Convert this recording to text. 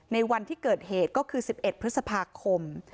ในวันที่เกิดเหตุก็คือ๑๑พฤษภาคม